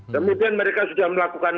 kemudian mereka sudah melakukan